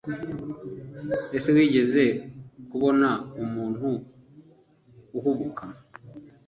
Ese wigeze kubona umuntu uhubuka